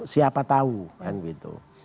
siapa tahu kan gitu